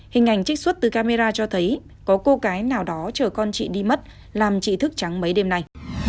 hình ảnh trích xuất từ camera cho thấy có cô gái nào đó chở con chị đi mất làm chị thức trắng mấy đêm nay